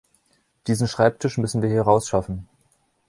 Diesen Schreibtisch müssen wir hier rausschaffen.